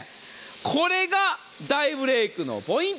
これが大ブレークのポイント。